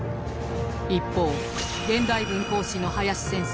一方現代文講師の林先生